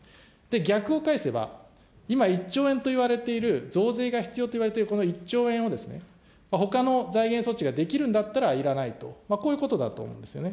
逆を返せば、今、１兆円と言われている増税が必要といわれているこの１兆円を、ほかの財源措置ができるんだったらいらないと、こういうことだと思うんですよね。